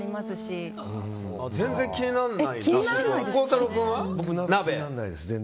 僕も気にならないです。